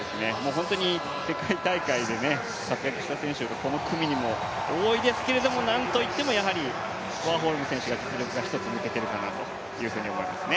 ホントに世界大会で活躍した選手がこの組にも多いですけどなんといっても、やはりワーホルムの実力が１つ抜けているかなと思いますね。